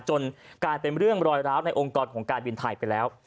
จนกลายเป็นเรื่องรอยร้าวในองค์กรของการบินไทยไปแล้ว